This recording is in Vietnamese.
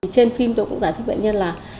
trên phim tôi cũng giải thích bệnh nhân là